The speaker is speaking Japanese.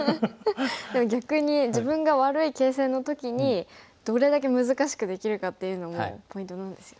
でも逆に自分が悪い形勢の時にどれだけ難しくできるかっていうのもポイントなんですよね。